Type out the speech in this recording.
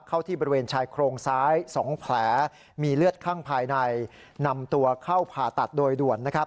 เข้าที่บริเวณชายโครงซ้าย๒แผลมีเลือดข้างภายในนำตัวเข้าผ่าตัดโดยด่วน